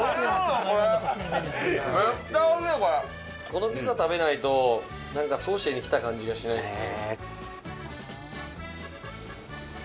このピザ食べないとソーシエに来た感じがしないですね。